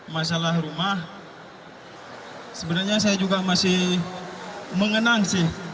masalah rumah sebenarnya saya juga masih mengenang sih